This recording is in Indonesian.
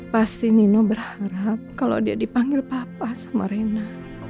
pasti nino berharap kalau dia dipanggil papa sama rena